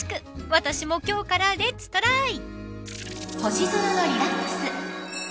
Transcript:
私も今日からレッツトライ！］